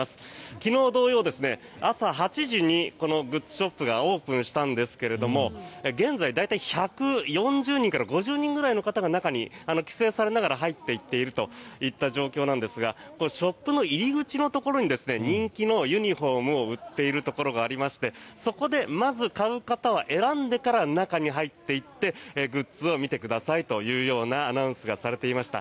昨日同様、朝８時にこのグッズショップがオープンしたんですが現在、大体１４０人から１５０人ぐらいの方が中に規制されながら入っていっているという状況なんですがショップの入り口のところに人気のユニホームを売っているところがありましてそこでまず買う方は選んでから中に入っていってグッズを見てくださいというようなアナウンスがされていました。